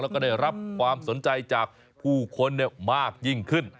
แล้วก็ได้รับความสนใจจากผู้คนมากยิ่งขึ้น